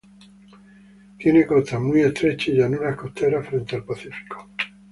Tiene costas muy estrechas y llanuras costeras frente al Pacífico.